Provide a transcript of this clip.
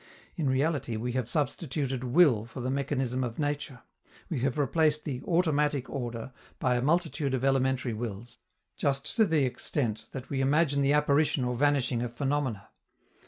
In reality we have substituted will for the mechanism of nature; we have replaced the "automatic order" by a multitude of elementary wills, just to the extent that we imagine the apparition or vanishing of phenomena.